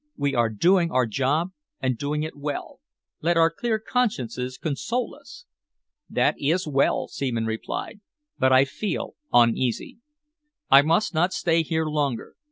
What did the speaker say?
We are doing our job and doing it well. Let our clear consciences console us." "That is well," Seaman replied, "but I feel uneasy. I must not stay here longer.